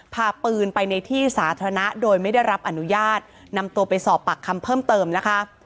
พาปืนไปในที่สาธารณะโดยไม่ได้รับอนุญาตนำตัวไปสอบปากคำเพิ่มเติมนะคะ